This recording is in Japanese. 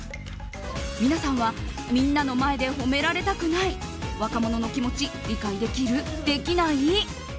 皆さんはみんなの前で褒められたくない若者の気持ち理解できる？できない？